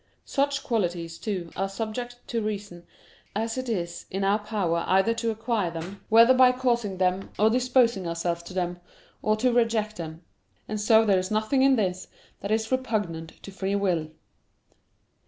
Such qualities, too, are subject to reason, as it is in our power either to acquire them, whether by causing them or disposing ourselves to them, or to reject them. And so there is nothing in this that is repugnant to free will.